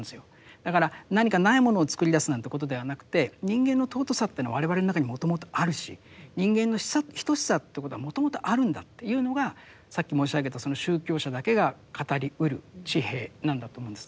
だから何か無いものを作り出すなんてことではなくて人間の尊さというのは我々の中にもともとあるし人間の等しさってことはもともとあるんだっていうのがさっき申し上げた宗教者だけが語りうる地平なんだと思うんです。